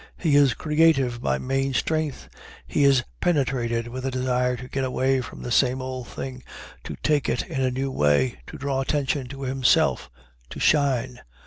He is "creative" by main strength. He is penetrated with a desire to get away from "the same old thing," to "take it" in a new way, to draw attention to himself, to shine.